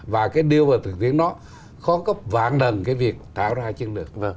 và cái đưa vào thực tiễn nó khó cấp vàng lần cái việc tạo ra chiến lược